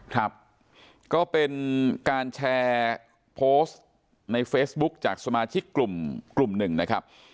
ครับก็เป็นการแชร์โพสต์ในเฟซบุ๊คจากสมาชิกกลุ่มกลุ่มหนึ่งนะครับ